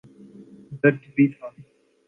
درد بھی تھا۔